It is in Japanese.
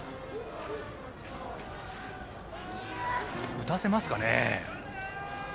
打たせますかね。